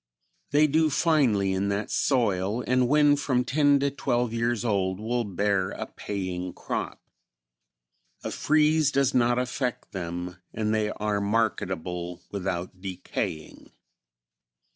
They do finely in that soil and when from ten to twelve years old will bear a paying crop. A freeze does not affect them and they are marketable without decaying.